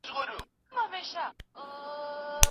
کره کتنه پرمختګ راولي.